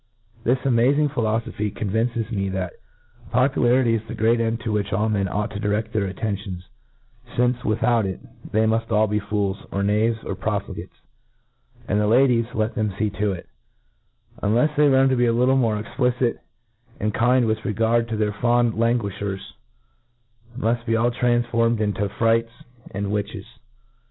This amazing philofophy convinces me, that popularity is the great end to which all men ought to direfl their aftions, fmce, with^ out it, they muft all be fools, or knaves, or profligates; and the ladies, let them fee to it 5 unlefs they learn to be a little more explicit and kind with regard to their fond languilhers, muft be all transformed into frights and witches.